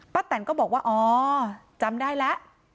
แตนก็บอกว่าอ๋อจำได้แล้ว